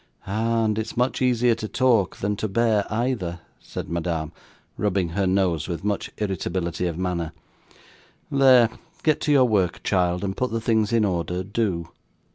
'Ah! and it's much easier to talk than to bear either,' said Madame, rubbing her nose with much irritability of manner. 'There, get to your work, child, and put the things in order, do.